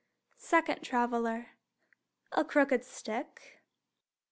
Second Traveler: A crooked stick.